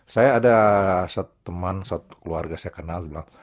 saya ada satu teman satu keluarga saya kenal